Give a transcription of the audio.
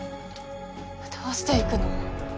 どうして行くの？